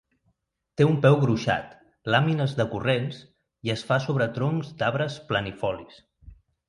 Té un peu gruixat, làmines decurrents i es fa sobre troncs d'arbres planifolis.